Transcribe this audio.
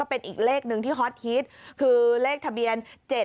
เป็นอีกเลขหนึ่งที่ฮอตฮิตคือเลขทะเบียน๗๗